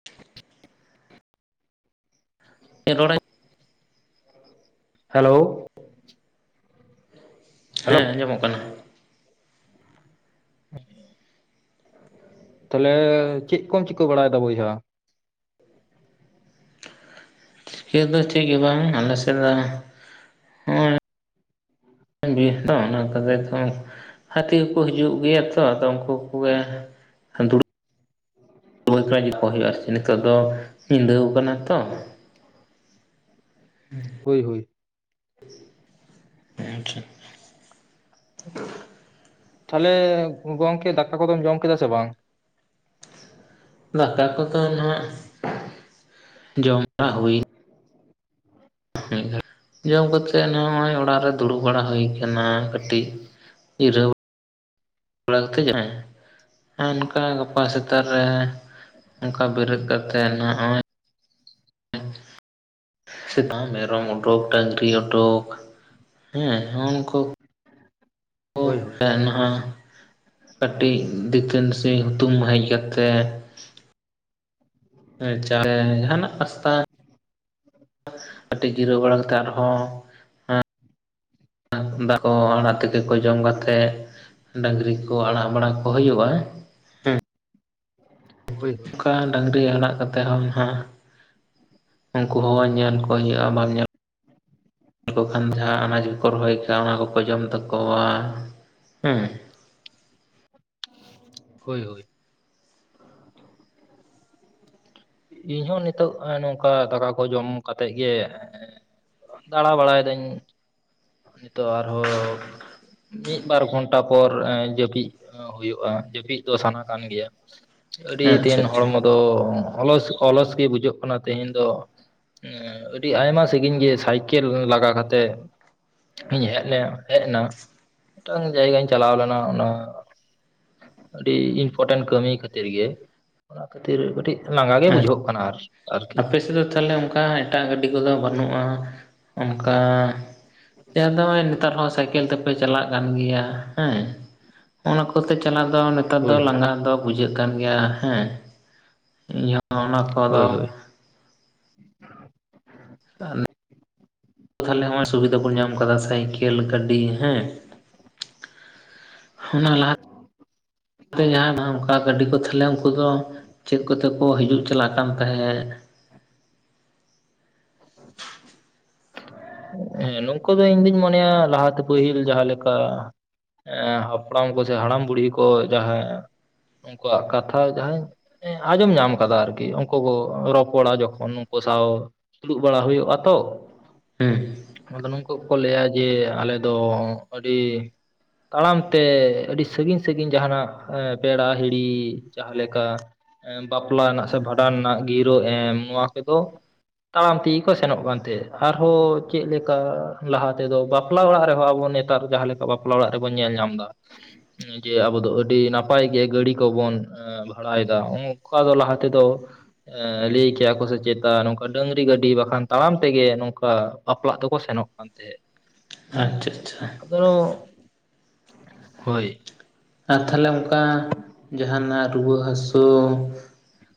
[inaudible] ᱮ ᱨᱚᱲ ᱟᱹᱡᱼᱼ hello. Hello ᱦᱮᱸ ᱟᱸᱡᱚᱢᱚᱜ ᱠᱟᱱᱟ᱾ ᱦᱮᱸ ᱜᱤ [unintelligible] ᱛᱟᱦᱚᱞᱮ, ᱪᱮᱫ ᱠᱚᱢ ᱪᱤᱠᱟᱹ ᱵᱟᱲᱟᱭ ᱫᱟ ᱵᱚᱭᱦᱟ? ᱠᱷᱤᱨ ᱫᱚ ᱪᱮᱜ ᱜᱮ ᱵᱟᱝ, ᱟᱞᱮ ᱥᱮᱫ ᱫᱚ ᱦᱚᱸ ᱚᱭᱼᱼ ᱠᱟᱱ ᱡᱤᱱᱤᱥ ᱛᱚ ᱚᱱᱟ [unintelligible] ᱠᱟᱛᱮ ᱛᱚᱸᱼᱼ ᱦᱟᱹᱛᱤ ᱦᱚᱸᱠᱚ ᱦᱤᱡᱩᱜ ᱜᱮᱭᱟ ᱛᱚ, ᱟᱫᱚ ᱩᱱᱠᱩ ᱠᱚᱜᱮ ᱦᱟᱸ ᱫᱩᱲᱩᱵ [inaudible] ᱠᱚ ᱦᱩᱭᱩᱜ-ᱟ ᱥᱮ ᱱᱤᱛᱚᱜ ᱫᱚ, ᱧᱤᱫᱟᱹᱣ ᱠᱟᱱᱟ ᱛᱚ᱾ ᱦᱚᱭ, ᱦᱳᱭ᱾ ᱦᱮᱸ ᱟᱪᱪᱷᱟ᱾ ᱛᱟᱦᱞᱮ ᱜᱚᱝᱠᱮ, ᱫᱟᱠᱟ ᱠᱚᱫᱚᱢ ᱡᱚᱢ ᱠᱮᱫᱟ ᱥᱮ ᱵᱟᱝ? ᱫᱟᱠᱟ ᱠᱚᱫᱚ ᱱᱟᱦᱟᱸᱜ ᱡᱚᱢ ᱵᱟᱲᱟ ᱦᱩᱭᱼᱼ ᱱᱤ ᱜᱷᱟᱹᱲᱤᱡ ᱡᱚᱢ ᱠᱟᱛᱮᱜ ᱱᱚᱜ-ᱚᱭ ᱚᱲᱟᱜ ᱨᱮ ᱫᱩᱲᱩᱵ ᱵᱟᱲᱟ ᱦᱩᱭᱼᱼ ᱠᱟᱱᱟ ᱠᱟᱹᱴᱤᱡ ᱡᱤᱨᱟᱹᱣ ᱵᱟᱲᱟ ᱠᱟᱛᱮᱜ ᱦᱮᱸ᱾ ᱚᱱᱠᱟ ᱜᱟᱯᱟ ᱥᱮᱛᱟᱜ ᱨᱮ, ᱚᱱᱠᱟ ᱵᱮᱨᱮᱫ ᱠᱟᱛᱮᱜ ᱱᱚᱜᱼᱚᱭ ᱥᱮᱛᱟᱜ ᱢᱮᱨᱚᱢ ᱚᱰᱚᱠ, ᱰᱟᱹᱝᱨᱤ ᱚᱰᱚᱠ, ᱦᱮᱸ ᱩᱱᱠᱩ ᱠᱚ ᱦᱳᱭ ᱦᱳᱭ [unintelligible] ᱱᱟᱦᱟᱸᱜ ᱠᱟᱹᱴᱤᱡ ᱫᱟᱹᱛᱟᱹᱱ ᱥᱮ ᱦᱩᱛᱩᱢ ᱦᱮᱡ ᱠᱟᱛᱮᱜ ᱪᱟᱲᱮ ᱡᱟᱦᱟᱸ ᱱᱟᱜ ᱱᱟᱥᱛᱟ᱾ ᱠᱟᱹᱴᱤᱡ ᱡᱤᱨᱟᱹᱣ ᱵᱟᱲᱟ ᱠᱟᱛᱮᱜ ᱟᱨᱦᱚᱸ ᱮ ᱫᱟᱠᱟ ᱠᱚ ᱟᱲᱟᱜ ᱛᱤᱠᱤ ᱠᱚ ᱡᱚᱢ ᱠᱟᱛᱮᱜᱼᱼ ᱰᱟᱹᱝᱨᱤ ᱠᱚ ᱟᱲᱟᱜ ᱵᱟᱲᱟ ᱠᱚ ᱦᱩᱭᱩᱜᱼᱟ᱾ ᱦᱮᱸ ᱦᱳᱭ, ᱦᱳᱭ᱾ ᱚᱱᱠᱟ ᱰᱟᱹᱝᱨᱤ ᱚᱲᱟᱜ ᱠᱟᱛᱮᱜ ᱦᱚᱸ ᱱᱟᱦᱟᱸᱜ ᱩᱱᱠᱩ ᱦᱚᱸ ᱧᱮᱞ ᱠᱚ ᱦᱩᱭᱩᱜ-ᱟ, ᱵᱟᱢ ᱧᱮᱞ ᱟᱫᱚ ᱠᱷᱟᱱ ᱡᱟᱦᱟᱸ ᱟᱱᱟᱡᱽ ᱠᱚᱠᱚ ᱨᱚᱦᱚᱭ ᱠᱟᱜ ᱚᱱᱟ ᱠᱚᱠᱚ ᱡᱚᱢ ᱛᱟᱠᱚᱣᱟ ᱦᱩᱸ᱾ ᱦᱳᱭ ᱦᱳᱭ᱾ [inaudible] ᱤᱧ ᱦᱚᱸ ᱚᱸ ᱱᱤᱛᱚᱜ ᱱᱚᱝᱠᱟ ᱫᱟᱠᱟ ᱠᱚ ᱡᱚᱢ ᱠᱟᱛᱮᱜ ᱜᱮ ᱮᱻᱼᱼ ᱫᱟᱬᱟ ᱵᱟᱲᱟᱭ ᱫᱟᱹᱧ᱾ ᱱᱤᱛᱚᱜ ᱟᱨ ᱦᱚᱸ ᱢᱤᱫ ᱵᱟᱨ ᱜᱷᱚᱱᱴᱟ ᱯᱚᱨ ᱡᱟᱹᱯᱤᱜᱼᱼ ᱦᱩᱭᱩᱜ-ᱟ ᱡᱟᱹᱯᱤᱜ ᱫᱚ ᱥᱟᱱᱟ ᱠᱟᱱ ᱜᱮᱭᱟ ᱟᱹᱰᱤ ᱟᱪᱪᱷᱟ ᱫᱤᱱ ᱟᱪᱪᱷᱟ ᱦᱚᱲᱢᱚ ᱛᱚ ᱚᱞᱚᱥ ᱚᱞᱚᱥ ᱜᱮ ᱵᱩᱡᱷᱟᱹᱜ ᱠᱟᱱᱟ ᱛᱮᱦᱮᱧ ᱫᱚ᱾ ᱟᱹᱰᱤ ᱟᱭᱢᱟ ᱥᱟᱹᱜᱤᱧ ᱜᱮ ᱥᱟᱭᱠᱮᱞ ᱞᱟᱜᱟ ᱠᱟᱛᱮᱜ ᱤᱧ ᱦᱮᱡᱞᱮ ᱦᱮᱡᱱᱟ ᱢᱤᱫᱴᱟᱝ ᱡᱟᱭᱜᱟᱧ ᱪᱟᱞᱟᱣ ᱞᱮᱱᱟ ᱚᱱᱟ ᱟᱹᱰᱤ ᱤᱱᱯᱚᱴᱮᱱ ᱠᱟᱹᱢᱤ ᱠᱷᱟᱹᱛᱤᱨ ᱜᱮ ᱚᱱᱟ ᱠᱷᱟᱹᱛᱤᱨ ᱠᱟᱹᱴᱤᱡ ᱞᱟᱸᱜᱟ ᱜᱮ ᱵᱩᱡᱷᱟᱹᱜ ᱠᱟᱱᱟ ᱟᱨ ᱟᱨᱠᱤ ᱛᱟᱞᱦᱮ ᱚᱱᱠᱟ ᱢᱮᱫᱴᱟᱜ ᱜᱟᱹᱰᱤ ᱠᱚᱫᱚ ᱵᱟᱹᱱᱩᱜᱼᱟ ᱚᱱᱠᱟ ᱛᱮ ᱟᱫᱚ ᱱᱚᱸᱜᱼᱚᱭ ᱱᱮᱛᱟᱨ ᱦᱚᱸ ᱥᱟᱭᱠᱮᱞ ᱛᱮᱯᱮ ᱪᱟᱞᱟᱜ ᱠᱟᱱ ᱜᱮᱭᱟ ᱦᱮᱸ ᱚᱱᱟ ᱠᱚᱛᱮ ᱪᱟᱞᱟᱜ ᱫᱚ ᱱᱮᱛᱟᱨ ᱦᱳᱭ ᱫᱚ ᱦᱳᱭ ᱞᱟᱸᱜᱟ ᱫᱚ ᱵᱩᱡᱷᱟᱹᱜ ᱠᱟᱱ ᱜᱮᱭᱟ ᱦᱮᱸ ᱤᱧᱦᱚᱸ ᱚᱱᱟ ᱠᱚᱫᱚ ᱦᱳᱭ ᱦᱳᱭ ᱛᱟᱦᱚᱞᱮ ᱦᱚᱸᱭ ᱥᱩᱵᱤᱫᱟ ᱠᱚᱢ ᱧᱟᱢ ᱟᱠᱟᱫᱟ ᱥᱟᱭᱠᱮᱞ ᱜᱟᱹᱰᱤ ᱦᱮᱸ ᱚᱱᱟ ᱞᱟᱦᱟ ᱡᱟᱦᱟᱸ ᱚᱱᱠᱟ ᱜᱟᱹᱰᱤ ᱠᱚ ᱛᱷᱟᱞᱮ ᱩᱱᱠᱩ ᱫᱚ ᱪᱮᱜ ᱠᱚᱛᱮ ᱠᱚ ᱦᱤᱡᱩᱜ ᱪᱟᱞᱟᱜ ᱠᱟᱱ ᱛᱟᱦᱮᱸᱫ ᱦᱮᱸ ᱱᱚᱝᱠᱩ ᱫᱚ ᱤᱧ ᱫᱩᱧ ᱢᱚᱱᱮᱭᱟ ᱞᱟᱦᱟᱛᱮ ᱯᱟᱹᱦᱤᱞ ᱡᱟᱦᱟᱸ ᱞᱮᱠᱟ ᱦᱟᱯᱲᱟᱢ ᱠᱚᱥᱮ ᱦᱟᱲᱟᱢ ᱵᱩᱲᱦᱤ ᱠᱚ ᱡᱟᱦᱟᱸ ᱩᱱᱠᱩᱣᱟᱜ ᱠᱟᱛᱷᱟ ᱡᱟᱦᱟᱸᱭ ᱟᱸᱡᱚᱢ ᱧᱟᱢ ᱠᱟᱫᱟ ᱟᱨᱠᱤ ᱩᱱᱠᱩ ᱠᱚ ᱨᱚᱯᱚᱲᱟ ᱡᱚᱠᱷᱚᱱ ᱩᱱᱠᱩ ᱥᱟᱶ ᱫᱩᱲᱩᱵ ᱵᱟᱲᱟ ᱦᱩᱭᱩᱜᱼᱟ ᱛᱚ ᱦᱩᱸ ᱟᱫᱚ ᱱᱩᱝᱠᱩ ᱠᱚᱠᱚ ᱞᱟᱹᱭᱟ ᱡᱮ ᱟᱞᱮ ᱫᱚ ᱟᱹᱰᱤ ᱛᱟᱲᱟᱢ ᱛᱮ ᱟᱹᱰᱤ ᱥᱟᱹᱜᱤᱧ ᱥᱟᱹᱜᱤᱧ ᱡᱟᱦᱟᱸᱱ ᱯᱮᱲᱟ ᱦᱤᱲᱤ ᱡᱟᱦᱟᱸ ᱞᱮᱠᱟ ᱵᱟᱯᱞᱟ ᱨᱮᱱᱟᱜ ᱥᱮ ᱵᱷᱟᱸᱰᱟᱱ ᱨᱮᱱᱟᱜ ᱜᱤᱨᱟᱹ ᱮᱢ ᱱᱚᱣᱟ ᱠᱚᱫᱚ ᱛᱟᱲᱟᱢ ᱛᱮᱜᱤ ᱠᱚ ᱥᱮᱱᱚᱜ ᱠᱟᱱ ᱛᱟᱸᱦᱮᱜ ᱟᱨᱦᱚᱸ ᱪᱮᱫ ᱞᱮᱠᱟ ᱞᱟᱦᱟ ᱛᱮᱫᱚ ᱵᱟᱯᱞᱟ ᱚᱲᱟᱜ ᱨᱮᱦᱚᱸ ᱟᱵᱚ ᱱᱮᱛᱟᱨ ᱡᱟᱦᱟᱸ ᱞᱮᱠᱟ ᱵᱟᱯᱞᱟ ᱚᱲᱟᱜ ᱨᱮᱵᱚᱱ ᱧᱮᱞ ᱧᱟᱢ ᱮᱫᱟ [inaudible] ᱡᱮ ᱟᱵᱚ ᱫᱚ ᱟᱹᱰᱤ ᱱᱟᱯᱟᱭ ᱜᱮ ᱜᱟᱹᱲᱤ ᱠᱚᱵᱚᱱ ᱵᱷᱟᱲᱟᱭᱮᱫᱟ ᱟᱜ ᱠᱟ ᱫᱚ ᱞᱟᱦᱟ ᱛᱮᱫᱚ ᱞᱟᱹᱭ ᱠᱮᱭᱟ ᱠᱚ ᱥᱮ ᱪᱮᱛᱟ ᱱᱚᱝᱠᱟ ᱰᱟᱹᱝᱨᱤ ᱜᱟᱹᱰᱤ ᱵᱟᱠᱷᱟᱱ ᱛᱟᱲᱟᱢ ᱛᱮᱜᱮ ᱱᱚᱝᱠᱟ ᱵᱟᱯᱞᱟᱜ ᱫᱚᱠᱚ ᱥᱮᱱᱚᱜ ᱠᱟᱱ ᱛᱟᱦᱮᱸᱜ ᱟᱪᱪᱷᱟ ᱟᱪᱪᱷᱟ ᱟᱫᱚ ᱦᱳᱭ ᱟᱨ ᱛᱟᱞᱦᱮ ᱚᱱᱠᱟ ᱡᱟᱸᱦᱟᱱ ᱟᱜ ᱨᱩᱣᱟᱹ ᱦᱟᱹᱥᱩ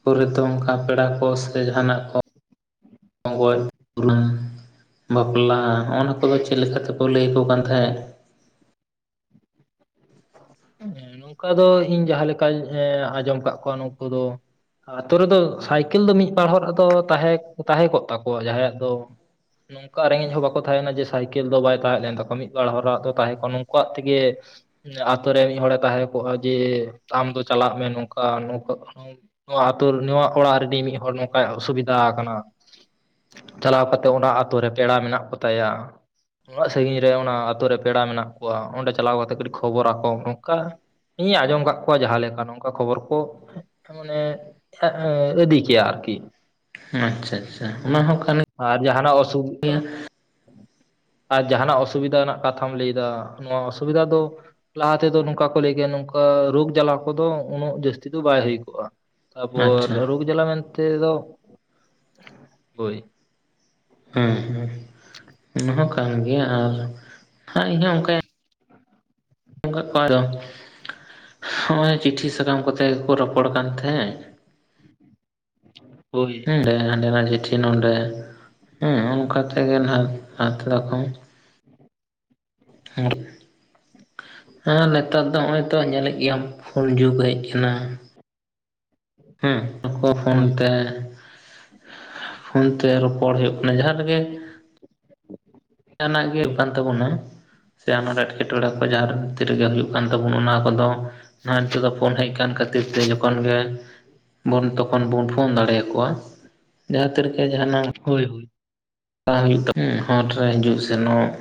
ᱯᱚᱨᱮ ᱫᱚ ᱚᱱᱠᱟ ᱯᱮᱲᱟ ᱠᱚ ᱥᱮ ᱡᱟᱦᱟᱱᱟᱜ ᱠᱚ [unintelligible] ᱵᱟᱯᱞᱟ ᱚᱱᱟ ᱠᱚᱫᱚ ᱪᱮᱫ ᱞᱮᱠᱟ ᱛᱮᱠᱚ ᱞᱟᱹᱭ ᱟᱠᱚ ᱠᱟᱱ ᱛᱟᱦᱮᱸᱫ ᱦᱮᱸ ᱱᱚᱝᱠᱟ ᱫᱚ ᱤᱧ ᱡᱟᱦᱟᱸ ᱞᱮᱠᱟᱧ ᱟᱸᱡᱚᱢ ᱠᱟᱜ ᱠᱚᱣᱟ ᱱᱩᱠᱩ ᱫᱚ ᱟᱛᱳ ᱨᱮᱫᱚ ᱥᱟᱭᱠᱮᱞ ᱫᱚ ᱢᱤᱫ ᱵᱟᱨ ᱦᱚᱲ ᱟᱫᱚ ᱛᱟᱦᱮᱸ ᱛᱟᱦᱮᱸ ᱠᱚᱜ ᱛᱟᱠᱚᱣᱟ ᱡᱟᱦᱟᱸᱭᱟᱜ ᱫᱚ ᱱᱚᱝᱠᱟ ᱨᱮᱸᱜᱮᱡ ᱦᱚᱸ ᱵᱟᱠᱚ ᱛᱟᱦᱮᱸ ᱠᱟᱱᱟ ᱡᱮ ᱥᱟᱭᱠᱮᱞ ᱫᱚ ᱵᱟᱭ ᱛᱟᱦᱮᱸ ᱞᱮᱱ ᱛᱟᱠᱚᱣᱟ ᱢᱤᱫᱵᱟᱨ ᱦᱚᱲᱟᱜ ᱫᱚ ᱛᱟᱦᱮᱸ ᱠᱚᱜ ᱱᱩᱝᱠᱩᱣᱟᱜ ᱛᱮᱜᱮ ᱟᱛᱳ ᱨᱮ ᱢᱤᱫ ᱦᱟᱲ ᱮ ᱛᱟᱦᱮᱸ ᱠᱚᱜᱼᱟ ᱡᱮ ᱟᱢ ᱫᱚ ᱪᱟᱞᱟᱜ ᱢᱮ ᱱᱚᱝᱠᱟ ᱱᱚᱣᱟ ᱟᱹᱛᱩ ᱱᱚᱣᱟ ᱚᱲᱟᱜ ᱨᱤᱱᱤᱡ ᱢᱤᱫ ᱦᱚᱲ ᱱᱚᱝᱠᱟᱭ ᱚᱥᱩᱵᱤᱫᱟ ᱟᱠᱟᱱᱟ ᱪᱟᱞᱟᱣ ᱠᱟᱛᱮᱫ ᱚᱱᱟ ᱟᱹᱛᱩ ᱨᱮ ᱯᱮᱲᱟ ᱢᱮᱱᱟᱜ ᱠᱚ ᱛᱟᱭᱟ ᱾ ᱩᱱᱟᱹᱜ ᱥᱟᱹᱜᱤᱧ ᱨᱮ ᱚᱱᱟ ᱟᱹᱛᱩ ᱨᱮ ᱯᱮᱲᱟ ᱢᱮᱱᱟᱜ ᱠᱚᱣᱟ ᱚᱸᱰᱮ ᱪᱟᱞᱟᱣ ᱠᱟᱛᱮ ᱠᱟᱹᱴᱤᱡ ᱠᱷᱚᱵᱚᱨ ᱟ ᱠᱚ ᱚᱱᱠᱟ ᱤᱧᱤᱧ ᱟᱸᱡᱚᱢ ᱠᱟᱜ ᱠᱚᱣᱟ ᱡᱟᱦᱟᱸ ᱞᱮᱠᱟ ᱱᱚᱝᱠᱟ ᱠᱷᱚᱵᱚᱨ ᱠᱚ ᱢᱟᱱᱮᱟ ᱟ ᱟ ᱤᱫᱤ ᱦᱚᱪᱚᱭᱟ ᱟᱨᱠᱤ ᱾ ᱟᱪᱪᱷᱟ ᱟᱪᱪᱷᱟ ᱚᱱᱟ ᱦᱚᱸ ᱠᱟᱱᱜᱮᱭᱟ ᱟᱨ ᱡᱟᱦᱟᱸᱱᱟᱜ ᱚᱥᱩᱵᱤᱫᱷᱟ ᱟᱨ ᱡᱟᱦᱟᱸᱱᱟᱜ ᱚᱥᱩᱵᱤᱫᱟ ᱨᱮᱱᱟᱜ ᱠᱟᱛᱷᱟᱢ ᱞᱟᱹᱭ ᱫᱟ ᱱᱚᱣᱟ ᱚᱥᱩᱵᱤᱫᱟ ᱫᱚ ᱞᱟᱦᱟ ᱛᱮᱫᱚ ᱱᱚᱝᱠᱟ ᱠᱚ ᱞᱟᱹᱭ ᱜᱮᱭᱟ ᱱᱚᱝᱠᱟ ᱨᱳᱜᱽ ᱡᱟᱞᱟ ᱠᱚᱫᱚ ᱩᱱᱟᱹᱜ ᱡᱟᱹᱥᱛᱤ ᱫᱚ ᱵᱟᱭ ᱦᱩᱭ ᱠᱚᱜᱼᱟ ᱾ ᱛᱟᱯᱚᱨ ᱟᱪᱪᱷᱟ ᱨᱳᱜᱽ ᱡᱟᱞᱟ ᱢᱮᱱᱛᱮ ᱫᱚ ᱦᱳᱭ ᱾ ᱦᱩᱸ ᱦᱩᱸ ᱚᱱᱟ ᱦᱚᱸ ᱠᱟᱱ ᱜᱮᱭᱟ ᱟᱨ ᱤᱧ ᱦᱚᱸ ᱚᱱᱠᱟᱧ ᱟᱹᱡᱚᱢ ᱠᱟᱜ ᱠᱚᱣᱟ ᱛᱚ ᱱᱚᱜᱼᱚᱭ ᱪᱤᱴᱷᱤ ᱥᱟᱠᱟᱢ ᱠᱚᱛᱮ ᱜᱮᱠᱚ ᱨᱚᱯᱚᱲ ᱠᱟᱱ ᱛᱟᱦᱮᱸᱫ [inaudible] ᱦᱳᱭ ᱾ ᱦᱟᱸᱰᱮ ᱱᱟᱸᱰᱮ ᱪᱤᱴᱷᱤ ᱱᱚᱰᱮᱸ ᱦᱮᱸ ᱚᱱᱠᱟ ᱛᱮᱜᱮ [unintelligible] [unintelligible] ᱦᱮᱸ ᱱᱮᱛᱟᱨ ᱫᱚ ᱱᱚᱜᱼᱚᱭ ᱛᱚ ᱧᱮᱞᱮᱫ ᱜᱮᱭᱟᱢ ᱯᱷᱚᱱ ᱡᱩᱜᱽ ᱦᱮᱡ ᱟᱠᱟᱱᱟ, ᱦᱮᱸ ᱩᱱᱠᱚ ᱯᱷᱳᱱ ᱦᱳᱭ ᱛᱮ ᱦᱳᱭ ᱯᱷᱳᱱ ᱛᱮ ᱨᱚᱯᱚᱲ ᱦᱩᱭᱩᱜ ᱠᱟᱱᱟ ᱡᱟᱦᱟᱸ ᱨᱮᱜᱮ ᱡᱟᱦᱟᱱᱟᱜ ᱜᱮ [unintelligible] ᱠᱟᱱ ᱛᱟᱵᱚᱱᱟ ᱥᱮ ᱟᱱᱟᱴ ᱮᱸᱴᱠᱮᱴᱚᱬᱮ ᱠᱚ ᱡᱟᱦᱟᱸ ᱵᱷᱤᱛᱤᱨ ᱨᱮᱜᱮ ᱦᱩᱭᱩᱜ ᱠᱟᱱ ᱛᱟᱵᱚᱱᱟ ᱚᱱᱟ ᱠᱚᱫᱚ ᱱᱚᱜ ᱱᱤᱛᱚᱜ ᱫᱚ ᱯᱷᱳᱱ ᱦᱮᱡ ᱠᱟᱱ ᱠᱷᱟᱹᱛᱤᱨ ᱛᱮ ᱡᱚᱠᱷᱚᱱ ᱜᱮ ᱵᱚᱱ ᱛᱚᱠᱷᱚᱱ ᱵᱚᱱ ᱯᱷᱳᱱ ᱫᱟᱲᱮ ᱟᱠᱚᱣᱟ, ᱡᱟᱦᱟᱸ ᱛᱤᱨᱜᱮ ᱡᱟᱦᱟᱱᱟᱜ ᱦᱳᱭ ᱦᱳᱭ ᱾ [unintelligible] ᱦᱚᱴ ᱨᱮ ᱦᱤᱡᱩᱜ ᱥᱮᱱᱚᱜ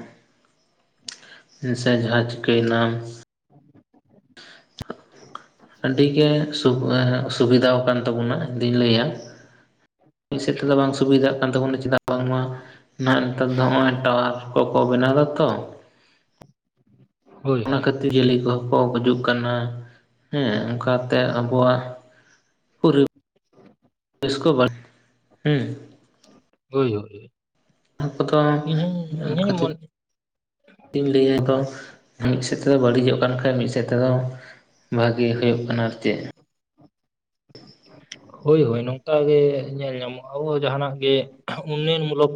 ᱥᱮ ᱡᱟᱦᱟᱸ ᱪᱤᱠᱟᱹᱭᱮᱱᱟᱢ, ᱟᱹᱰᱤ ᱜᱮ ᱥᱩᱵ ᱥᱩᱵᱤᱫᱟᱣ ᱟᱠᱟᱱ, ᱛᱟᱵᱚᱱᱟ ᱤᱧ ᱫᱩᱧ ᱞᱟᱹᱭᱟ ᱢᱤᱫ ᱥᱮᱫ ᱛᱮᱫᱚ ᱵᱟᱝ ᱥᱩᱵᱤᱫᱷᱟᱜ ᱠᱟᱱ ᱛᱟᱵᱚᱱᱟ ᱪᱮᱫᱟᱜ ᱵᱟᱝᱢᱟ ᱱᱟᱜ ᱱᱮᱛᱟᱨ ᱫᱚ ᱱᱚᱜᱼᱚᱭ ᱴᱟᱣᱟᱨ ᱠᱚᱠᱚ ᱵᱮᱱᱟᱣ ᱫᱟ ᱛᱚ ᱦᱳᱭ ᱦᱳᱭ ᱾ ᱚᱱᱟ ᱠᱷᱟᱹᱛᱤᱨ ᱡᱤᱭᱟᱹᱞᱤ ᱠᱚᱦᱚᱸ ᱠᱚ ᱜᱩᱡᱩᱜ ᱠᱟᱱᱟ ᱦᱮᱸ ᱚᱱᱠᱟ ᱛᱮ ᱟᱵᱚᱣᱟᱜ ᱯᱚᱨᱤᱵᱮᱥ [unintelligible] ᱦᱳᱭ ᱦᱳᱭ, ᱚᱱᱟ ᱠᱚᱫᱚ ᱤᱧ ᱦᱚᱧ ᱤᱧ ᱦᱩᱧ ᱠᱷᱟᱹᱛᱤᱨ ᱢᱚᱱᱮ ᱛᱤᱧ ᱞᱟᱹᱭᱟ ᱫᱚ ᱢᱤᱫ ᱥᱮᱫ ᱛᱮᱫᱚ ᱵᱟᱹᱲᱤᱡᱚᱜ ᱠᱟᱱ ᱠᱷᱟᱡ ᱢᱤᱫ ᱥᱮᱫ ᱛᱮᱫᱚ ᱵᱷᱟᱜᱮ ᱦᱩᱭᱩᱜ ᱠᱟᱱᱟ ᱟᱨ ᱪᱮᱫ ᱾ ᱦᱳᱭ ᱦᱳᱭ ᱱᱚᱝᱠᱟᱜ ᱜᱮ ᱧᱮᱞ ᱧᱟᱢᱚᱜᱼᱟ ᱟᱵᱚ ᱡᱟᱦᱟᱱᱟᱜ ᱜᱮ ᱩᱱᱟᱝ ᱢᱩᱞᱚᱠ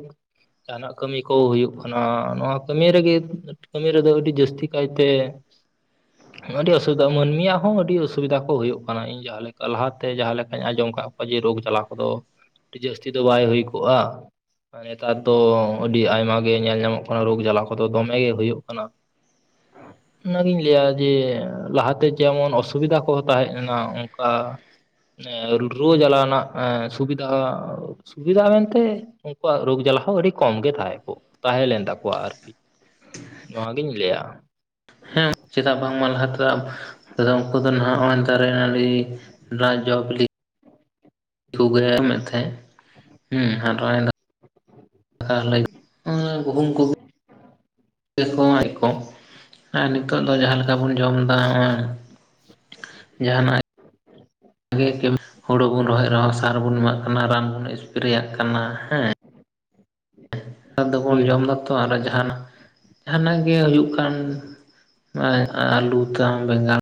ᱡᱟᱦᱟᱱᱟᱜ ᱠᱟᱹᱢᱤ ᱠᱚ ᱦᱩᱭᱩᱜ ᱠᱟᱱᱟ ᱱᱚᱣᱟ ᱠᱟᱹᱢᱤ ᱨᱮᱜᱮ ᱠᱟᱹᱢᱤ ᱨᱮᱫᱚ ᱟᱰᱤ ᱡᱟᱹᱥᱛᱤ ᱠᱟᱭᱛᱮ ᱟᱹᱰᱤ ᱚᱥᱩᱵᱤᱫᱟ ᱢᱟᱹᱱᱢᱤᱭᱟᱜ ᱦᱚᱸ ᱟᱹᱰᱤ ᱚᱥᱤᱵᱤᱫᱟ ᱠᱚ ᱦᱩᱭᱩᱜ ᱠᱟᱱᱟ ᱤᱧ ᱡᱟᱦᱟᱸ ᱞᱮᱠᱟ ᱞᱟᱦᱟᱛᱮ ᱡᱟᱦᱟᱸ ᱞᱮ ᱟᱸᱡᱚᱢ ᱟᱠᱟ ᱠᱚᱣᱟ ᱡᱮ ᱨᱳᱜᱽ ᱡᱟᱞᱟ ᱠᱚᱫᱚ ᱟᱹᱰᱤ ᱡᱟᱹᱥᱛᱤ ᱫᱚ ᱵᱟᱭ ᱦᱩᱭ ᱠᱚᱟ, ᱟᱨ ᱱᱮᱛᱟᱨ ᱫᱚ ᱟᱹᱰᱤ ᱟᱭᱢᱟ ᱜᱮ ᱧᱮᱞ ᱧᱟᱢᱚᱜ ᱠᱟᱱᱟ ᱨᱳᱜᱽ ᱡᱟᱞᱟ ᱠᱚᱫᱚ ᱫᱚᱢᱮ ᱜᱮ ᱦᱩᱭᱩᱜ ᱠᱟᱱᱟ ᱾ [inaudible] ᱚᱱᱟᱜᱤᱧ ᱞᱟᱹᱭᱟ ᱡᱮ ᱞᱟᱦᱟᱛᱮ ᱡᱮᱢᱚᱱ ᱚᱥᱩᱵᱤᱫᱟ ᱠᱚᱦᱚᱸ ᱛᱟᱦᱮᱸ ᱞᱮᱱᱟ ᱚᱱᱠᱟ ᱮᱸ ᱨᱩᱣᱟ ᱡᱟᱞᱟ ᱨᱮᱱᱟᱜ ᱮᱸ ᱥᱩᱵᱤᱫᱟ ᱥᱩᱵᱤᱫᱟ ᱢᱮᱱᱛᱮ ᱩᱱᱠᱩᱣᱟᱜ ᱨᱳᱜᱽ ᱡᱟᱞᱟ ᱦᱚᱸ ᱟᱹᱰᱤ ᱠᱚᱢ ᱜᱮ ᱛᱟᱦᱮᱸ ᱠᱚ ᱛᱟᱦᱮᱸ ᱞᱮᱱ ᱛᱟᱠᱚᱣᱟ ᱟᱨᱠᱤ ᱾ ᱱᱚᱣᱟᱜᱤᱧ ᱞᱟᱹᱭᱟ, ᱦᱮᱸ ᱪᱮᱫᱟᱜ ᱵᱟᱝ ᱢᱟ ᱞᱟᱦᱟ ᱛᱮᱫᱚ, ᱟᱫᱚ ᱩᱱᱠᱩ ᱫᱚ ᱱᱟᱦᱜᱼᱚᱭ ᱫᱟᱨᱮ ᱱᱟᱹᱲᱤ ᱱᱟᱜ ᱡᱚ ᱵᱤᱞᱤ, ᱛᱷᱩᱜᱮ ᱮᱢᱮᱫ ᱛᱟᱸᱦᱮᱫ ᱦᱩᱸ ᱦᱟᱨᱟ ᱭᱮᱱᱟ, ᱛᱟᱦᱞᱮ ᱚᱱᱟ ᱜᱩᱦᱩᱢ ᱠᱚᱜᱮ [unintelligible] ᱠᱚ ᱦᱮᱸᱠᱚ ᱟᱨ ᱱᱤᱛᱚᱜ ᱫᱚ ᱡᱟᱦᱟᱸ ᱞᱮᱠᱟ ᱵᱚᱱ ᱡᱚᱢ ᱮᱫᱟ ᱱᱚᱜ-ᱚᱭ, ᱡᱟᱦᱟᱱᱟᱜ, ᱵᱷᱟᱜᱮ ᱦᱩᱲᱩ ᱵᱚᱱ ᱨᱚᱦᱚᱭ ᱨᱮᱦᱚᱸ ᱥᱟᱨ ᱵᱚᱱ ᱮᱢᱟᱜ ᱠᱟᱱᱟ ᱨᱟᱱ ᱵᱚᱱ ᱮᱥᱯᱨᱮᱭᱟᱜ ᱠᱟᱱᱟ ᱦᱮᱸ ᱱᱮᱛᱟᱨ ᱫᱚᱵᱚᱱ ᱦᱳᱭ ᱡᱚᱢ ᱦᱳᱭ ᱮᱫᱟᱛᱚ ᱟᱨᱚ ᱡᱟᱦᱟᱱᱟᱜ ᱡᱟᱦᱟᱱᱟᱜ ᱜᱮ ᱦᱩᱭᱩᱜ ᱠᱟᱱ, ᱟᱞᱩ ᱫᱟᱢ ᱵᱮᱸᱜᱟᱲ,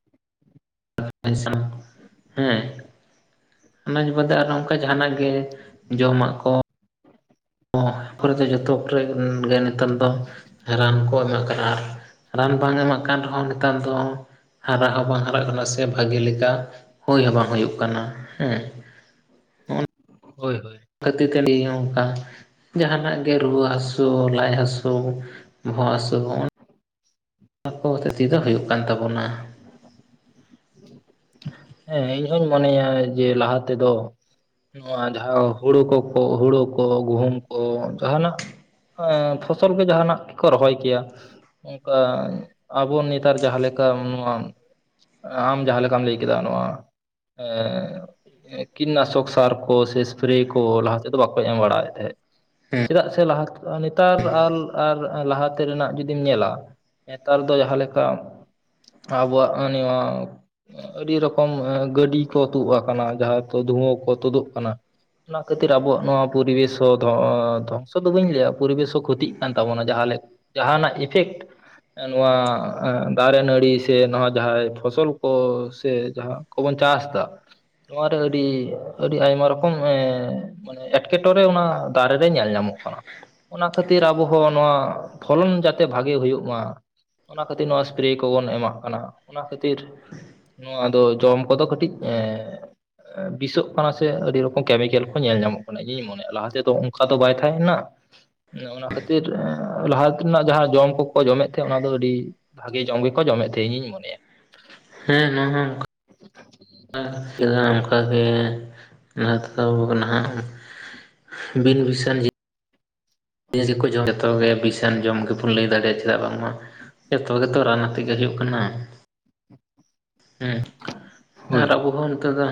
[inaudible] ᱦᱮᱸ ᱟᱱᱟᱴ ᱵᱟᱫᱮ ᱟᱨᱚ ᱚᱱᱠᱟ ᱡᱚᱦᱱᱟᱜ ᱜᱮ ᱡᱚᱢᱟᱜ ᱠᱚ, ᱠᱚᱨ ᱫᱚ ᱡᱚᱛᱚ ᱠᱚᱨᱮ ᱜᱮ ᱱᱮᱛᱟᱨ ᱫᱚ ᱨᱟᱱ ᱠᱚ ᱮᱢᱟᱜ ᱠᱟᱱᱟ ᱟᱨ ᱨᱟᱱ ᱵᱟᱝ ᱮᱢᱟᱜ ᱠᱟᱱ ᱨᱮᱦᱚᱸ ᱱᱮᱛᱟᱨ ᱫᱚ ᱦᱟᱨᱟ ᱦᱚᱸ ᱵᱟᱝ ᱦᱟᱨᱟᱜ ᱠᱟᱱᱟ ᱥᱮ ᱵᱷᱟᱜᱤ ᱞᱮᱠᱟ ᱦᱩᱭᱳᱭ ᱦᱚᱸ ᱵᱟᱝ ᱦᱩᱭᱩᱜ ᱠᱟᱱᱟ ᱦᱮᱸ, ᱦᱳᱭ, ᱠᱷᱟᱹᱛᱤ ᱴᱟᱺᱰᱤᱭᱤᱜ ᱦᱚᱸ ᱚᱱᱠᱟ ᱡᱟᱦᱟᱱᱟᱜ ᱜᱮ ᱨᱩᱣᱟᱹ ᱦᱟᱹᱥᱩ ᱞᱟᱡ ᱦᱟᱹᱥᱩ ᱵᱚᱦᱚᱜ ᱦᱟᱹᱥᱩ ᱚᱱᱟᱠᱚ ᱦᱚᱛᱮᱡ ᱛᱮᱜᱮ ᱛᱚ ᱦᱩᱭᱩᱜ ᱠᱟᱱ ᱛᱟᱵᱚᱱᱟ, [unintelligible] ᱦᱮᱸ ᱤᱧ ᱦᱚᱧ ᱢᱚᱱᱮᱭᱟ ᱡᱮ ᱞᱟᱦᱟ ᱛᱮᱫᱚ, ᱱᱚᱣᱟ ᱡᱟᱦᱟᱸ ᱦᱩᱲᱩ ᱠᱚᱠᱚ ᱦᱩᱲᱩ ᱠᱚ ᱜᱩᱦᱩᱢ ᱠᱚ ᱡᱟᱦᱟᱱᱟᱜ, ᱮ ᱯᱷᱚᱥᱚᱞ ᱜᱮ ᱡᱟᱦᱟᱱᱟᱜ ᱜᱮᱠᱚ ᱨᱚᱦᱚᱭ ᱠᱮᱭᱟ, ᱚᱱᱠᱟ ᱟᱵᱚ ᱱᱮᱛᱟᱨ ᱡᱟᱦᱟᱸ ᱞᱮᱠᱟ ᱱᱚᱣᱟ, ᱟᱢ ᱡᱟᱦᱟᱸ ᱞᱮᱠᱟᱢ ᱞᱟᱹᱭ ᱠᱮᱫᱟ ᱱᱚᱣᱟ ᱮᱸ ᱠᱤᱱᱱᱟᱥᱚᱠ ᱥᱟᱨ ᱠᱚ ᱥᱮ ᱮᱥᱯᱨᱮ ᱠᱚ ᱞᱟᱦᱟ ᱛᱮᱫᱚ ᱵᱟᱠᱚ ᱮᱢ ᱵᱟᱲᱟᱭᱮᱫ ᱛᱟᱦᱮᱸᱫ, ᱪᱮᱫᱟᱜ ᱥᱮ ᱞᱟᱦᱟ ᱱᱮᱛᱟᱨ ᱟᱨ ᱟᱨ ᱞᱟᱦᱟᱛᱮ ᱨᱮᱱᱟᱜ ᱡᱩᱫᱤᱢ ᱧᱮᱞᱟ, ᱱᱮᱛᱟᱨ ᱫᱚ ᱡᱟᱦᱟᱸ ᱞᱮᱠᱟ ᱟᱵᱚᱣᱟᱜ ᱱᱚᱣᱟ, ᱟᱹᱰᱤ ᱨᱚᱠᱚᱢ ᱜᱟᱹᱰᱤ ᱠᱚ ᱛᱩ ᱟᱠᱟᱱᱟ ᱡᱟᱦᱟᱸ ᱫᱚ ᱫᱷᱩᱣᱟᱹ ᱠᱚ ᱛᱩᱫᱩᱜ ᱠᱟᱱᱟ ᱚᱱᱟ ᱠᱷᱟᱹᱛᱤᱨ ᱟᱵᱚᱣᱟᱜ ᱱᱚᱣᱟ ᱯᱚᱨᱤᱵᱮᱥ ᱦᱚᱸ ᱫᱷᱟ ᱫᱷᱚᱝᱥᱚ ᱫᱚ ᱵᱟᱹᱧ ᱞᱟᱹᱭᱟ ᱯᱚᱨᱤᱵᱮᱥ ᱦᱚᱸ ᱠᱷᱚᱛᱤᱜ ᱠᱟᱱ ᱛᱟᱵᱚᱱᱟ ᱡᱟᱦᱟᱸᱞᱮ ᱡᱟᱦᱟᱱᱟᱜ ᱤᱯᱷᱮᱠᱴ ᱱᱚᱣᱟ ᱫᱟᱨᱮ ᱱᱟᱹᱲᱤ ᱥᱮ ᱱᱚᱣᱟ ᱡᱟᱦᱟᱸᱭ ᱯᱷᱚᱥᱚᱞ ᱠᱚ ᱥᱮ ᱡᱟᱦᱟᱸ ᱠᱚᱵᱚᱱ ᱪᱟᱥ ᱫᱟ, ᱱᱚᱣᱟᱨᱮ ᱟᱹᱰᱤ ᱟᱹᱰᱤ ᱟᱭᱢᱟ ᱨᱚᱠᱚᱢ ᱮᱸ ᱮᱸᱴᱠᱮᱴᱚᱬᱮ ᱚᱱᱟ ᱫᱟᱨᱮ ᱨᱮ ᱧᱮᱞ ᱧᱟᱢᱚᱜ ᱠᱟᱱᱟ, ᱚᱱᱟ ᱠᱷᱟᱹᱛᱤᱨ ᱟᱵᱚᱸ ᱦᱚ ᱱᱚᱣᱟ ᱯᱷᱚᱞᱚᱱ ᱡᱟᱛᱮ ᱵᱷᱟᱜᱤ ᱦᱩᱭᱩᱜ ᱢᱟ, ᱚᱱᱟ ᱠᱷᱟᱹᱛᱤᱨ ᱱᱚᱶᱟ ᱮᱥᱯᱨᱮ ᱠᱚᱵᱚᱱ ᱮᱢᱟᱜ ᱠᱟᱱᱟ ᱚᱱᱟ ᱠᱷᱟᱹᱛᱤᱨ, ᱠᱷᱟᱹᱛᱤᱨ ᱱᱚᱣᱟᱫᱚ ᱡᱚᱢ ᱠᱚᱫᱚ ᱠᱟᱹᱴᱤᱡ ᱮᱸ ᱵᱤᱥᱚᱜ ᱠᱟᱱᱟ ᱥᱮ ᱟᱹᱰᱤ ᱨᱚᱠᱚᱢ ᱠᱮᱢᱤᱠᱮᱞ ᱠᱚ ᱧᱮᱞ ᱧᱟᱢᱚᱜ ᱠᱟᱱᱟ ᱤᱧᱤᱧ ᱢᱚᱱᱭᱟ ᱞᱟᱦᱟ ᱥᱮᱫᱛᱚ ᱚᱱᱠᱟ ᱫᱚ ᱵᱟᱭ ᱛᱟᱦᱮᱸ ᱠᱟᱱᱟ, ᱚᱱᱟ ᱠᱷᱟᱹᱛᱤᱨ ᱞᱟᱦᱟ ᱛᱮᱱᱟᱜ ᱡᱟᱦᱟᱸ ᱡᱚᱢ ᱠᱚᱠᱚ ᱡᱚᱢᱮᱫ ᱛᱟᱦᱮᱸᱫ ᱚᱱᱟ ᱫᱚ ᱟᱹᱰᱤ, ᱵᱷᱟᱜᱮ ᱡᱚᱢ ᱜᱮᱠᱚ ᱡᱚᱢᱮᱫ ᱛᱟᱦᱮᱸ ᱤᱧᱤᱧ ᱢᱚᱱᱮᱭᱟ ᱦᱮᱸ ᱱᱚᱣᱟ ᱦᱚ ᱚᱱᱠᱟ, ᱪᱮᱫ ᱦᱚᱸ ᱚᱱᱠᱟ ᱜᱮ [inaudible] ᱵᱤᱱ ᱵᱤᱥᱟᱱ ᱡᱤ ᱵᱤᱥ ᱜᱮᱠᱚ ᱠᱟᱢᱮᱫ ᱡᱚᱛᱚ ᱜᱮ ᱵᱤᱥᱟᱱ ᱡᱚᱢ ᱜᱮᱵᱚᱱ ᱞᱟᱹᱭ ᱫᱟᱲᱮᱜᱼᱟ ᱪᱮᱫᱟᱜ ᱵᱟᱝᱢᱟ ᱡᱚᱛᱚ ᱛᱚ ᱨᱟᱱ ᱟᱛᱮᱜ ᱜᱮ ᱦᱩᱭᱩᱜ ᱠᱟᱱᱟ ᱦᱮᱸ ᱦᱳᱭ ᱟᱨ ᱦᱳᱭ ᱟᱵᱚ ᱦᱚᱸ ᱱᱤᱛᱚᱜ ᱫᱚ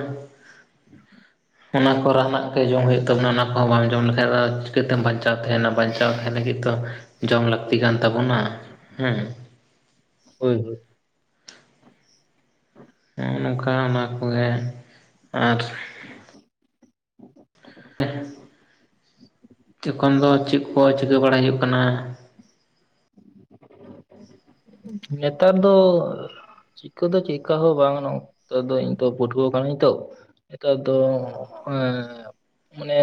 ᱚᱱᱟ ᱠᱚ ᱨᱟᱱᱟᱜ ᱜᱮ ᱡᱚᱢ ᱦᱩᱭᱩᱜ ᱛᱟᱵᱚᱱᱟ ᱚᱱᱟ ᱠᱚᱦᱚᱸ ᱵᱟᱢ ᱡᱚᱢ ᱞᱮᱠᱷᱟᱱᱡ ᱫᱚ ᱪᱤᱠᱟᱹᱛᱮᱢ ᱵᱟᱧᱪᱟᱣ ᱛᱟᱦᱮᱱᱟ ᱵᱟᱧᱪᱟᱣ ᱛᱟᱦᱮᱸᱱ ᱞᱟᱹᱜᱤᱫ ᱫᱚ ᱡᱚᱢ ᱞᱟᱹᱠᱛᱤ ᱠᱟᱱ ᱛᱟᱵᱚᱱᱟ ᱦᱮᱸ ᱦᱳᱭ ᱦᱳᱭ ᱱᱚᱜᱼᱚ ᱱᱚᱝᱠᱟ ᱚᱱᱟ ᱠᱚᱜᱮ ᱟᱨ [inaudible] ᱮᱠᱷᱚᱱ ᱫᱚ ᱪᱮᱫ ᱠᱚ ᱪᱤᱠᱟᱹ ᱵᱟᱲᱟᱭ ᱦᱩᱭᱩᱜ ᱠᱟᱱᱟ ᱱᱮᱛᱟᱨ ᱫᱚ ᱪᱮᱫᱠᱟᱹ ᱫᱚ ᱪᱮᱫᱠᱟ ᱦᱚᱸ ᱵᱟᱝ ᱱᱟᱝᱠᱟ ᱫᱚ ᱤᱧᱚ ᱫᱚ ᱯᱟᱹᱴᱷᱩᱣᱟᱹ ᱠᱟᱹᱱᱟᱹᱧ ᱛᱚ ᱱᱮᱛᱟᱨ ᱫᱚ ᱮᱻ ᱢᱟᱱᱮ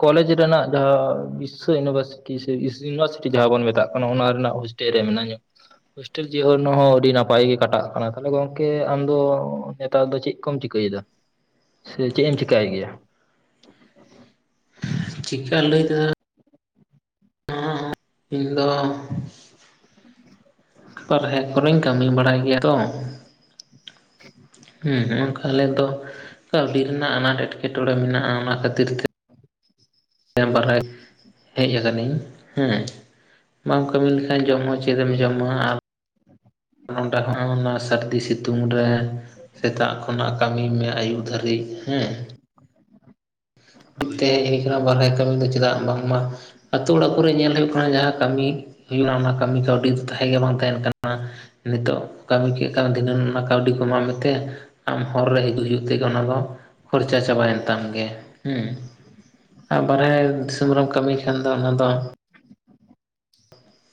ᱠᱚᱞᱮᱡᱽ ᱨᱮᱱᱟᱜ ᱡᱟᱦᱟᱸ ᱵᱤᱥᱥᱚ ᱤᱭᱩᱱᱤᱵᱷᱟᱨᱥᱤᱴᱤ ᱥᱮ ᱤᱥ ᱤᱭᱩᱱᱤᱵᱷᱟᱨᱥᱤᱴᱤ ᱡᱟᱦᱟᱸ ᱵᱚᱱ ᱢᱮᱛᱟᱜ ᱠᱟᱱᱟ ᱚᱱᱟ ᱨᱮᱱᱟᱜ [unintelligible] ᱨᱮ ᱢᱮᱱᱟᱧᱟ ᱦᱳᱥᱴᱮᱞ ᱡᱤᱭᱚᱱ ᱦᱚᱸ ᱟᱹᱰᱤ ᱱᱟᱯᱟᱭ ᱜᱮ ᱠᱟᱴᱟᱜ ᱠᱟᱱᱟ ᱛᱟᱦᱚᱞᱮ ᱜᱚᱝᱠᱮ ᱟᱢᱫᱚ ᱱᱮᱛᱟᱨ ᱫᱚ ᱪᱮᱫ ᱪᱮᱫ ᱠᱚᱢ ᱪᱤᱠᱟᱹᱭ ᱫᱟ, ᱥᱮ ᱪᱮᱫ ᱮᱢ ᱪᱤᱠᱟᱭ ᱜᱮᱭᱟ ᱪᱤᱠᱟ ᱞᱟᱹᱭ ᱛᱮᱱᱟᱜ ᱤᱧ ᱫᱚ ᱵᱟᱨᱦᱮ ᱠᱚᱨᱮᱧ ᱠᱟᱹᱢᱤ ᱵᱟᱲᱟᱭ ᱜᱮᱭᱟ ᱛᱚ ᱦᱮᱸ ᱚᱱᱠᱟ ᱟᱞᱮ ᱫᱚ ᱠᱟᱹᱣᱰᱤ ᱨᱮᱱᱟᱜ ᱟᱱᱟᱴ ᱮᱸᱴᱠᱮᱴᱚᱬᱮ ᱢᱮᱱᱟᱜᱼᱟ ᱚᱱᱟ ᱠᱷᱟᱹᱛᱤᱨ ᱛᱮ [unintelligible] ᱵᱟᱨᱦᱮ ᱦᱮᱡ ᱟᱠᱟᱱᱟᱹᱧ ᱦᱮᱸ ᱵᱟᱢ ᱠᱟᱹᱢᱤ ᱞᱮᱠᱷᱟᱱ ᱡᱚᱢ ᱦᱚᱸ ᱪᱮᱫᱮᱢ ᱦᱳᱭ ᱡᱚᱢᱟ ᱟᱨ ᱱᱚᱸᱰᱮ ᱦᱚᱸ ᱚᱱᱟ ᱥᱟᱹᱨᱫᱤ ᱥᱤᱛᱩᱝ ᱨᱮ ᱥᱮᱛᱟᱜ ᱠᱷᱚᱱᱟᱜ ᱠᱟᱢᱤ ᱢᱮ ᱟᱭᱩᱵ ᱫᱷᱟᱹᱨᱤᱡ ᱦᱮᱸ ᱢᱤᱫ ᱦᱳᱭ ᱛᱮ ᱦᱮᱡ ᱦᱩᱭ ᱠᱟᱱᱟ ᱵᱟᱦᱨᱮ ᱠᱟᱹᱢᱤ ᱫᱚ ᱪᱮᱫᱟᱜ ᱵᱟᱝᱢᱟ ᱟᱹᱛᱩ ᱚᱲᱟᱜ ᱠᱚᱨᱮᱜ ᱧᱮᱞ ᱦᱩᱭᱩᱜ ᱠᱟᱱᱟ ᱡᱟᱦᱟᱸ ᱠᱟᱹᱢᱤ ᱦᱩᱭᱩᱜ ᱠᱟᱱᱟ ᱚᱱᱟ ᱠᱟᱹᱢᱤ ᱠᱟᱹᱣᱰᱤ ᱫᱚ ᱛᱟᱦᱮᱸ ᱜᱮ ᱵᱟᱝ ᱛᱟᱦᱮᱱ ᱠᱟᱱᱟ ᱱᱤᱛᱚᱜ ᱠᱟᱹᱢᱤ ᱠᱮᱫ ᱠᱟᱱᱟ ᱫᱷᱤᱱᱟᱹᱱ ᱠᱟᱹᱣᱰᱤ ᱠᱚ ᱮᱢᱟᱜ ᱢᱮᱛᱮ ᱟᱢ ᱦᱚᱨ ᱨᱮ ᱦᱤᱡᱩᱜ ᱦᱤᱡᱩᱜ ᱛᱮᱜᱮ ᱚᱱᱟ ᱫᱚ ᱠᱷᱚᱨᱪᱟ ᱪᱟᱵᱟᱭᱮᱱ ᱛᱟᱢ ᱜᱮ ᱦᱩᱸ ᱟᱨ ᱵᱟᱦᱨᱮ ᱫᱤᱥᱚᱢ ᱨᱮᱢ ᱠᱟᱹᱢᱤ ᱠᱷᱟᱱ ᱫᱚ ᱚᱱᱟ ᱫᱚ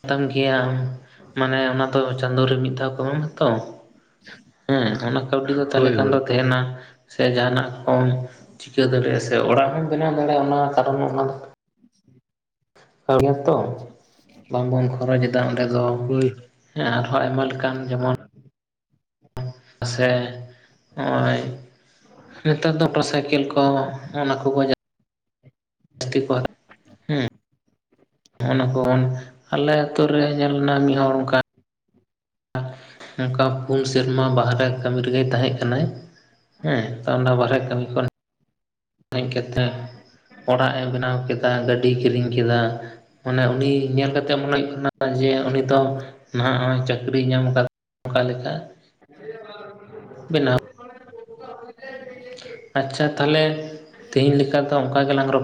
ᱛᱟᱢ ᱜᱮᱭᱟ ᱢᱟᱱᱮ ᱚᱱᱟ ᱫᱚ ᱪᱟᱸᱫᱳ ᱨᱮ ᱢᱤᱫ ᱫᱷᱟᱣ ᱠᱚ ᱮᱢᱟᱢᱟ ᱛᱚ ᱦᱮᱸ ᱚᱱᱟ ᱠᱟᱹᱣᱰᱤ ᱫᱚ ᱛᱟᱦᱞᱮ ᱠᱷᱟᱱ ᱦᱳᱭ ᱫᱚ ᱛᱟᱦᱮᱱᱟ ᱥᱮ ᱡᱟᱦᱟᱱᱟᱜ ᱠᱚᱢ ᱪᱤᱠᱟᱹ ᱫᱟᱲᱮᱭᱟᱜ ᱥᱮ ᱚᱲᱟᱜ ᱦᱚᱸᱢ ᱵᱮᱱᱟᱣ ᱫᱟᱲᱮᱭᱟᱜᱼᱟ ᱚᱱᱟ ᱠᱟᱨᱚᱱ ᱚᱱᱟᱫᱚ ᱠᱟᱹᱣᱰᱤ ᱵᱟᱝᱵᱚᱱ ᱠᱷᱚᱨᱚᱪ ᱮᱫᱟ ᱚᱸᱰᱮ ᱫᱚ ᱦᱳᱭ ᱦᱮᱸ ᱟᱨᱦᱚᱸ ᱟᱭᱢᱟ ᱞᱮᱠᱟᱱ ᱡᱮᱢᱚᱱ ᱥᱮ ᱦᱚᱸᱜᱼᱚᱭ ᱱᱮᱛᱟᱨ ᱫᱚ ᱢᱚᱴᱚᱨ ᱥᱟᱭᱠᱮᱞ ᱠᱚ ᱚᱱᱟ ᱠᱚ [unintelligible] ᱱᱚᱜᱱᱟ ᱠᱚᱵᱚᱱ, ᱟᱞᱮ ᱟᱹᱛᱩ ᱨᱮ ᱧᱮᱞᱱᱟ ᱢᱤᱫ ᱦᱚᱲ ᱚᱱᱠᱟ ᱱᱚᱝᱠᱟ ᱯᱩᱱ ᱥᱮᱨᱢᱟ ᱵᱟᱦᱨᱮ ᱠᱟᱹᱢᱤ ᱨᱮᱜᱮᱭ ᱛᱟᱦᱮᱸᱜ ᱠᱟᱱᱟᱭ ᱦᱮᱸ ᱛᱚ ᱚᱱᱟ ᱵᱟᱨᱦᱨᱮ ᱠᱟᱹᱢᱤ ᱠᱷᱚᱱ ᱦᱮᱡ ᱠᱟᱛᱮ ᱚᱲᱟᱜ ᱮ ᱵᱮᱱᱟᱣ ᱠᱮᱫᱟ ᱜᱟᱹᱰᱤᱭ ᱠᱤᱨᱤᱧ ᱠᱮᱫᱟ ᱢᱟᱱᱮ ᱩᱱᱤ ᱧᱮᱞ ᱠᱟᱛᱮᱫ ᱢᱚᱱᱮ ᱦᱩᱭᱩᱜ ᱠᱟᱱᱟ ᱡᱮ ᱩᱱᱤ ᱫᱚ [unintelligible] ᱪᱟᱹᱨᱤ ᱧᱟᱢ ᱟᱠᱟᱫ ᱵᱮᱱᱟᱣ [inaudible] ᱟᱪᱪᱷᱟ ᱛᱟᱦᱞᱮ ᱛᱮᱦᱮᱧ ᱞᱮᱠᱟ ᱫᱚ ᱚᱱᱠᱟ ᱜᱮᱞᱟᱝ ᱨᱚᱯᱚᱲ